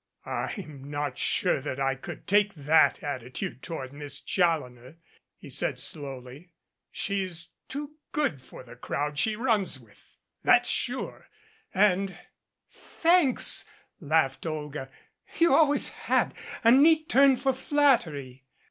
"I'm not sure that I could take that attitude toward Miss Challoner," he said slowly. "She's too good for the crowd she runs with, that's sure, and " 73 MADCAP "Thanks," laughed Olga. "You always had a neat turn for flattery."